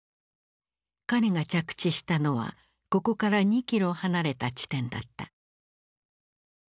彼が着地したのはここから２キロ離れた地点だった。